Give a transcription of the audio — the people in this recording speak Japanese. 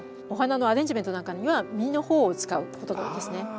お花のアレンジメントなんかには実の方を使うことが多いですね。